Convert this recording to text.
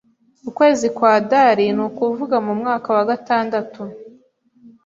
ukwezi kwa Adari ni ukuvuga mu mwaka wa gatandatu